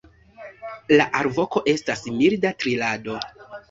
La alvoko estas milda trilado.